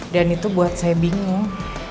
dan itu buat saya bingung